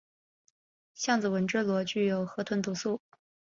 橡子织纹螺具有河鲀毒素。